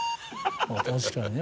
確かにね。